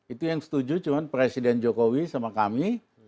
itu yang setuju cuma presiden jokowi sama kami